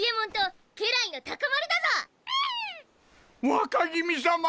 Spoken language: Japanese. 若君さま！